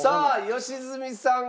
良純さん。